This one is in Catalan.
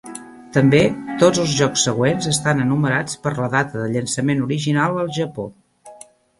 També, tots els jocs següents estan enumerats per la data de llançament original al Japó.